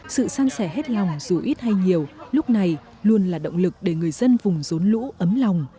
sự san sẻ hết lòng dù ít hay nhiều lúc này luôn là động lực để người dân vùng rốn lũ ấm lòng